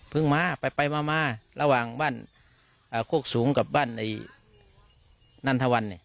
มาไปมาระหว่างบ้านโคกสูงกับบ้านนันทวัน